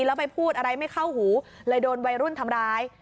แล้วไปพูดอะไรไม่เข้าหูเลยโดนวัยรุ่นทำร้าย